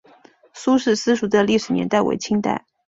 苏氏私塾的历史年代为清代。